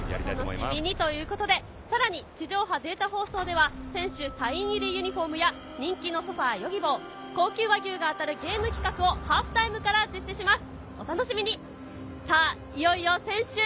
地上波データ放送では選手サイン入りユニホームや人気のソファＹｏｇｉｂｏ、高級和牛が当たるゲーム企画をハーフタイムから実施します。